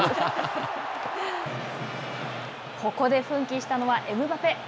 ここで奮起したのはエムバペ。